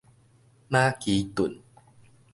馬其頓